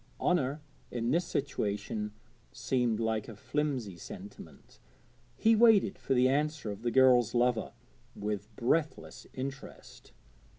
Honour in this situation seemed like a flimsy sentiment. He waited for the answer of the girl's lover with breathless interest.